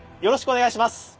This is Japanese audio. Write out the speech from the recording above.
よろしくお願いします。